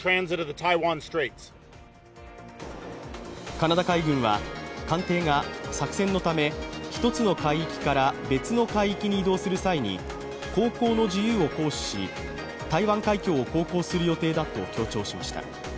カナダ海軍は艦艇が作戦のため一つの海域から別の海域に移動する際に航行の自由を行使し、台湾海峡を航行する予定だと強調しました。